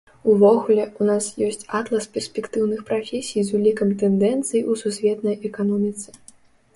Увогуле, у нас ёсць атлас перспектыўных прафесій з улікам тэндэнцый у сусветнай эканоміцы.